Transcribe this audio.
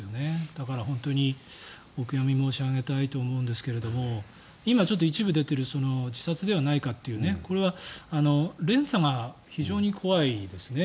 だから本当にお悔やみ申し上げたいと思うんですが今、一部出ている自殺ではないかというこれは連鎖が非常に怖いですね。